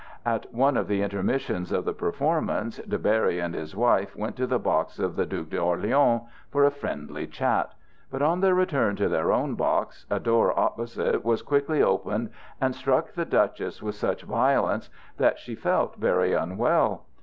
At one of the intermissions of the performance De Berry and his wife went to the box of the Duc d'Orléans for a friendly chat, but on their return to their own box, a door opposite was quickly opened and struck the Duchess with such violence that she felt very unwell.